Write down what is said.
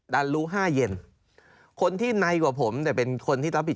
แล้วก็มีแผนที่เขตรักษาพันธุ์สัตว์ป่า